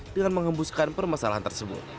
dengan mengembuskan permasalahan tersebut